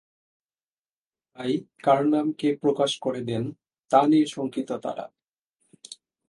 তাই কার নাম কে প্রকাশ করে দেন, তা নিয়ে শঙ্কিত তাঁরা।